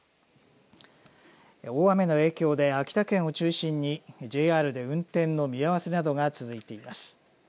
大雨の影響で秋田県を中心にＪＲで運転の見合わせなどが続いています。